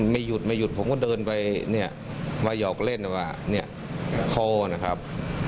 ไม่หยุดไม่หยุดผมก็เดินไปเนี่ยมาหยอกเล่นว่าเนี่ยคอนะครับ